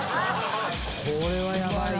これはヤバいな。